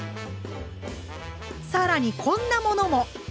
さらにこんなものも！